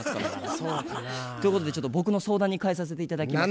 そうかな。ということでちょっと僕の相談にかえさせて頂きます。